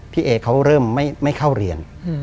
พี่เอเขาเริ่มไม่เข้าเรียน